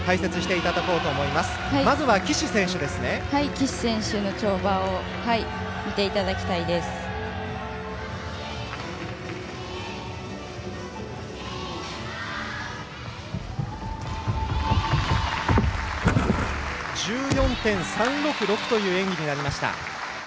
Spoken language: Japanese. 岸選手の跳馬を見ていただきたいです。１４．３６６という演技になりました。